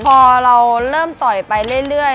พอเราเริ่มต่อยไปเรื่อย